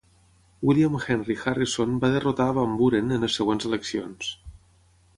William Henry Harrison va derrotar a Van Buren en les següents eleccions.